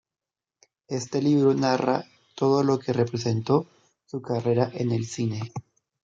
En este libro narra todo lo que representó su carrera en el cine.